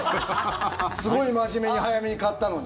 すごい真面目に早めに買ったのに。